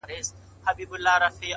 • یوه سړي ورباندي نوم لیکلی,